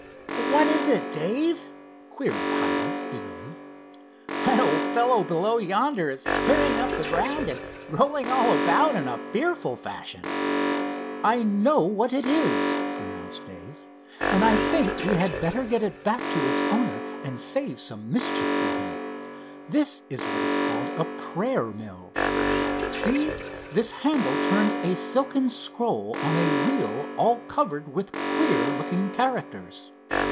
"What is it, Dave?" queried Hiram eagerly. "That old fellow below yonder is tearing up the ground and rolling all about in a fearful fashion." "I know what it is," pronounced Dave, "and I think we had better get it back to its owner and save some mischief for him. This is what is called a prayer mill. See, this handle turns a silken scroll on a reel all covered with queer looking characters.